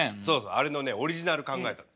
あれのねオリジナル考えたの。